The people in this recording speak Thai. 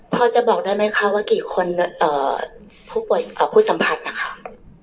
พอจะบอกได้ไหมค่ะว่ากี่คนเอ่อผู้สัมผัสนะครับ